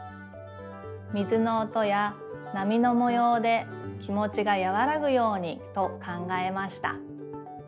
水の音やなみのもようで気もちがやわらぐようにと考えました。